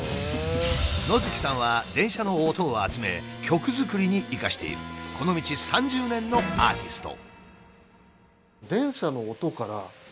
野月さんは電車の音を集め曲作りに生かしているこの道３０年のアーティスト。